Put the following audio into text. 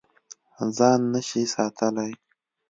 ځان نه شې ساتلی.